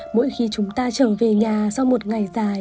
mỗi khi chúng ta trở về nhà sau một ngày dài